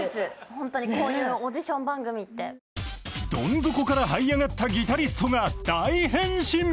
ホントにこういうオーディション番組ってドン底から這い上がったギタリストが大変身！